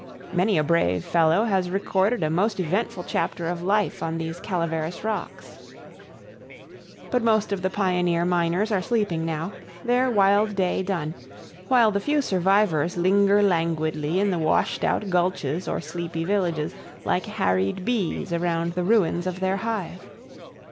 Many a brave fellow has recorded a most eventful chapter of life on these Calaveras rocks. But most of the pioneer miners are sleeping now, their wild day done, while the few survivors linger languidly in the washed out gulches or sleepy village like harried bees around the ruins of their hive.